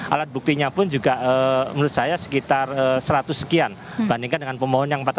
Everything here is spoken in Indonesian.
alat buktinya pun juga menurut saya sekitar seratus sekian bandingkan dengan pemohon yang empat ratus